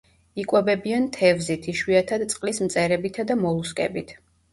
იკვებებიან თევზით, იშვიათად წყლის მწერებითა და მოლუსკებით.